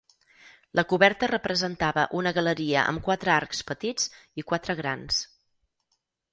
La coberta representava una galeria amb quatre arcs petits i quatre grans.